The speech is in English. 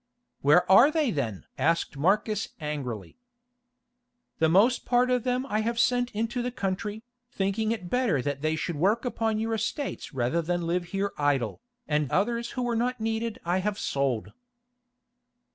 "Where are they then?" asked Marcus angrily. "The most part of them I have sent into the country, thinking it better that they should work upon your estates rather than live here idle, and others who were not needed I have sold."